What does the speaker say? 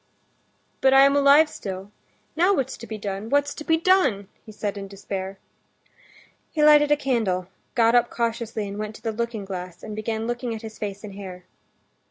"But I am alive still. Now what's to be done? what's to be done?" he said in despair. He lighted a candle, got up cautiously and went to the looking glass, and began looking at his face and hair.